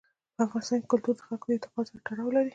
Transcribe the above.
په افغانستان کې کلتور د خلکو د اعتقاداتو سره تړاو لري.